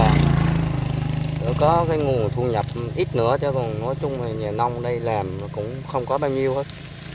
nó có cái nguồn thu nhập ít nữa chứ còn nói chung là nhà nông ở đây làm cũng không có bao nhiêu hết